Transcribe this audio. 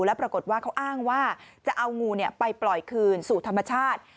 แล้วปรากฏว่าเขาอ้างว่าจะเอางูไปปล่อยคืนสู่ธรรมชาติ